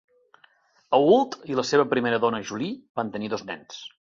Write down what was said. Ault i la seva primera dona Julie van tenir dos nens.